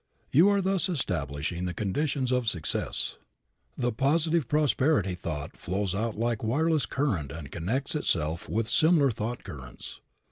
You are thus establishing the conditions of success. The positive prosperity thought flows out like a wireless current and connects itself with similar thought currents.